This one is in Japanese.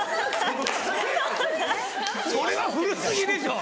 それは古過ぎでしょ。